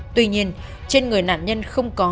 tuy nhiên trên người nạn nhân không có